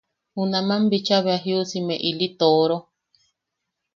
Junaman bicha bea jiusime ili tooro.